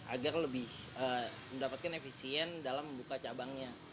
agar lebih mendapatkan efisien dalam membuka cabangnya